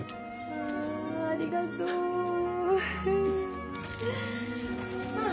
あありがとう。はあ。